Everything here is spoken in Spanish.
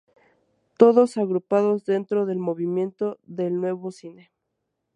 Todos agrupados dentro del movimiento del Nuevo Cine.